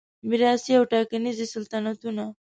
میراثي او ټاکنیز سلطنتونه